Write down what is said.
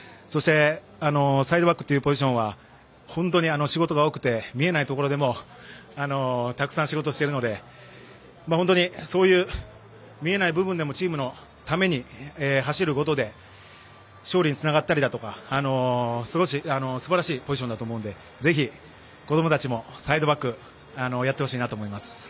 そしてサイドバックというポジションは本当に仕事が多くて見えないところでもたくさん仕事をしているので本当にそういう見えない部分でもチームのために走ることで勝利につながったりだとかすばらしいポジションだと思うのでぜひ、子どもたちもサイドバックやってほしいなと思います。